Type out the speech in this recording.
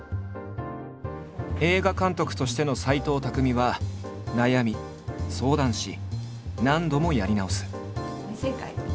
映画監督としての斎藤工は悩み相談し何度もやり直す。